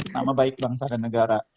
nama baik bangsa dan negara